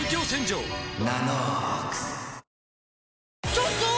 ちょっとー！